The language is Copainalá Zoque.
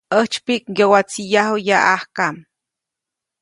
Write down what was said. ‒ʼäjtsypiʼk ŋgyowatsiʼyaju yaʼajka-.